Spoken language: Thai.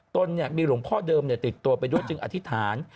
ตนมีหลวงพ่อเดิมติดตัวไปด้วยจึงอธิษฐาน